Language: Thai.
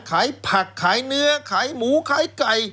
ขายผักขายเนื้อขายหมูขายไก่